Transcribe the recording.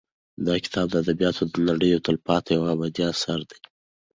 دا کتاب د ادبیاتو د نړۍ یو تلپاتې او ابدي اثر دی.